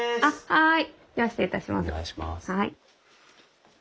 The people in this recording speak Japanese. はい。